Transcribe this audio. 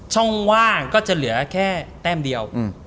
ช่องว่างก็จะเหลือแค่แต้มเดียว